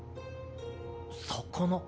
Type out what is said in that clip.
魚？